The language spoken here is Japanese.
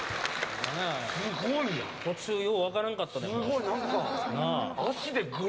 途中よう分からなかったけど。